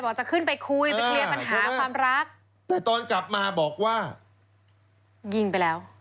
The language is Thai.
จะขึ้นไปคุยไปเคลียร์ปัญหาความรักแต่ตอนกลับมาบอกว่ายิงไปแล้ว